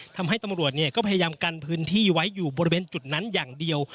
ทำให้ตำรวจก็พยายามกันพื้นที่ไว้อยู่บริเวณจุดนั้นอย่างเดียว